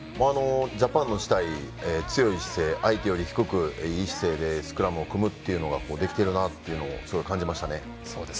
ジャパンのしたい強い姿勢相手より低くいい姿勢でスクラムを組むっていうのができているなというのを感じましたね。